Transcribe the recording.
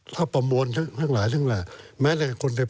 โทษครับ